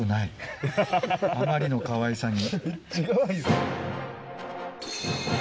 あまりのかわいさに。